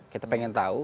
kita pengen tahu